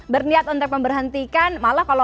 berniat untuk memberhentikan malah